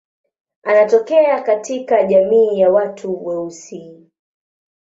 Anatokea katika jamii ya watu weusi.